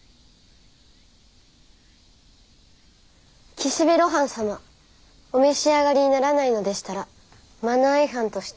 岸辺露伴様お召し上がりにならないのでしたらマナー違反として。